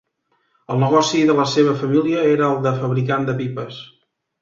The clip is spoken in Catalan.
El negoci de la seva família era el de fabricants de pipes.